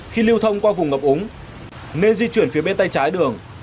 khi lưu thông qua vùng ngập ống nên di chuyển phía bên tay trái đường